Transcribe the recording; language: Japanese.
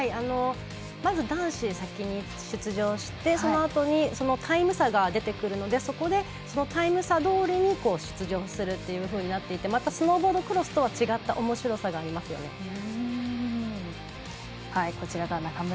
まず、男子が先に出場してそのあとタイム差が出てくるのでそこで、そのタイム差どおりに出場するとなっていてまたスノーボードクロスとは違ったおもしろさがあります。